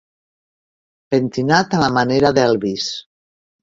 Pentinat a la manera d'Elvis.